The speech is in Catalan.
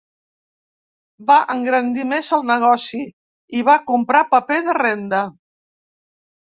Va engrandir més el negoci, i va comprar paper de renda